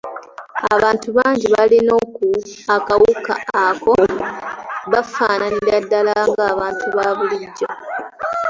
Abantu bangi abalina akawuka ako bafaananira ddala ng’abantu aba bulijjo.